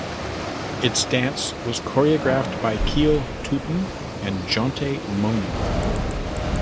Its dance was choreographed by Kiel Tutin and Jonte Moaning.